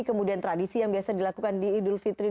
kemudian tradisi yang biasa dilakukan di idul fitri